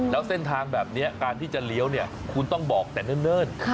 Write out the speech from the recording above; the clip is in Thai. แล้วเส้นทางแบบนี้การที่จะเลี้ยวคุณต้องบอกแต่เนิ่น